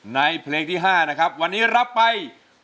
ในเพลงที่๕นะครับวันนี้รับไป